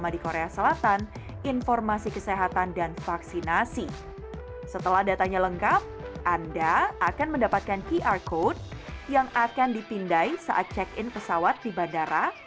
setelah datanya lengkap anda akan mendapatkan qr code yang akan dipindai saat check in pesawat di bandara